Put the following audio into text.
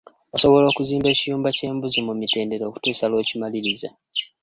Osobola okuzimba ekiyumba ky'embuzi mu mitendera okutuusa lw'okimaliriza.